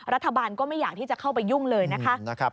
รัฐบาลก็ไม่อยากที่จะเข้าไปยุ่งเลยนะคะ